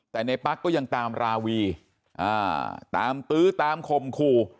แต่ในปั๊กก็ยังตามราวีตามตื้อตามข่มขู่